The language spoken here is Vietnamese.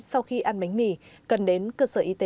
sau khi ăn bánh mì cần đến cơ sở y tế để điều trị kịp thời